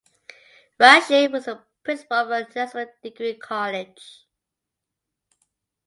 Rashid was the principal of Nazrul Degree College.